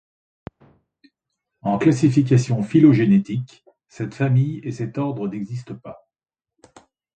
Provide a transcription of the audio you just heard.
En classification phylogénétique, cette famille et cet ordre n'existent pas.